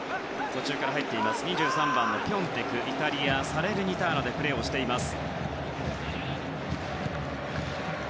途中から入っている２３番のピョンテクイタリアのサレルニターナでプレーしています。